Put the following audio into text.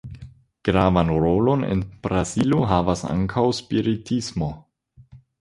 Gravan rolon en Brazilo havas ankaŭ spiritismo.